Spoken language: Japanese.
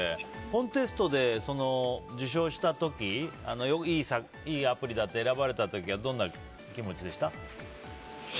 コンテストで受賞した時いいアプリだって選ばれた時はどんな気持ちでした？